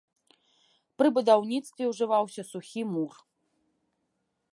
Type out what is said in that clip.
Пры будаўніцтве ўжываўся сухі мур.